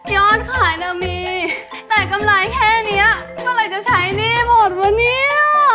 ยอดขายน่ะมีแต่กำไรแค่นี้เมื่อไหร่จะใช้หนี้หมดวะเนี่ย